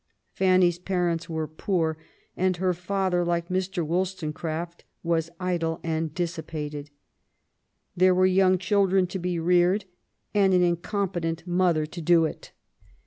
Fanny's parents were poor, and her &ther, like Mr. Wollstonecraft, was idle and dissipated. There were young children to be reared, and an incompetent mother to do it.